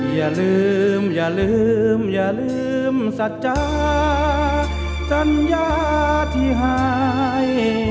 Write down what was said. อย่าลืมอย่าลืมอย่าลืมสัจจาสัญญาที่หาย